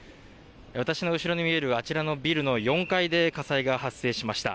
私の後ろに見えるあちらのビルの４階で火災が発生しました。